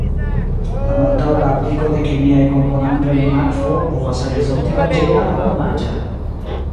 La maltaŭga apliko de kemiaj komponantoj en akvo povas rezulti danĝera aŭ damaĝa.